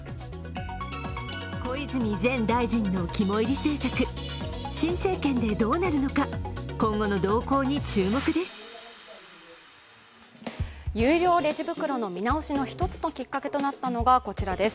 小泉前大臣の肝煎り政策、新政権でどうなるのか今後の動向に注目です。